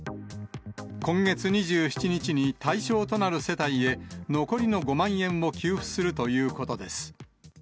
今月２７日に対象となる世帯へ残りの５万円を給付するということです。